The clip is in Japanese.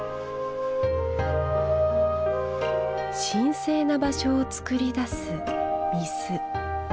神聖な場所をつくり出す御簾。